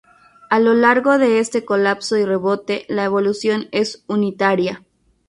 A lo largo de este colapso y rebote, la evolución es unitaria.